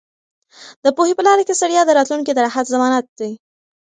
د پوهې په لاره کې ستړیا د راتلونکي د راحت ضمانت دی.